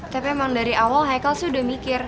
tapi emang dari awal hicle sih udah mikir